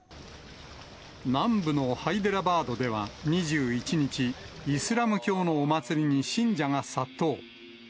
南部のハイデラバードでは２１日、イスラム教のお祭りに信者が殺到。